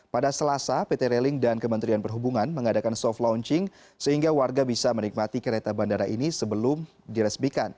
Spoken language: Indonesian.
pada selasa pt railing dan kementerian perhubungan mengadakan soft launching sehingga warga bisa menikmati kereta bandara ini sebelum diresmikan